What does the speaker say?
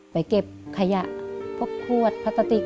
ไปเก็บขยะพวกควดพระตติก